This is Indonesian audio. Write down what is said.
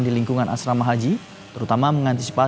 di lingkungan asrama haji terutama mengantisipasi